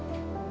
aku bisa sembuh